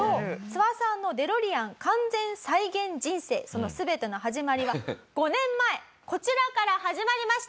ツワさんのデロリアン完全再現人生その全ての始まりは５年前こちらから始まりました。